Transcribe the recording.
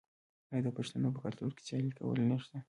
آیا د پښتنو په کلتور کې سیالي کول نشته؟